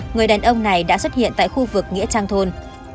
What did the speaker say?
người đàn ông này đã xuất hiện tại khu vực nghĩa trang thôn